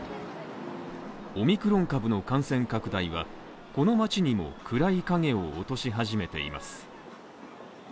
オミクロン株の感染拡大は、この街にも暗い影を落とし始めています。